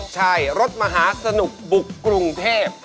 ใช่รถมหาสนุกบุกกรุงเทพ